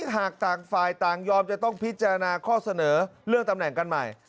หากต่างฝ่ายต่างยอมจะต้องพิจารณาข้อเสนอเรื่องตำแหน่งกันใหม่